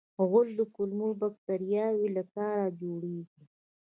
غول د کولمو باکتریاوو له کاره جوړېږي.